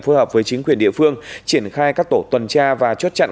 phù hợp với chính quyền địa phương triển khai các tổ tuần tra và chốt chặn